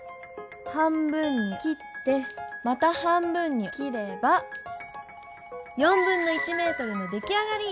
半分に切ってまた半分に切れば1/4メートルのできあがり！